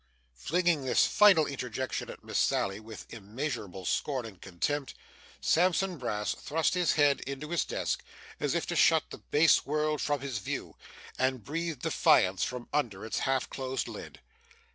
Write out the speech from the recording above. Flinging this final interjection at Miss Sally with immeasurable scorn and contempt, Sampson Brass thrust his head into his desk, as if to shut the base world from his view, and breathed defiance from under its half closed lid.